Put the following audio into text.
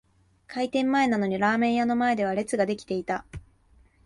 開店前なのにラーメン屋の前では列が出来ていた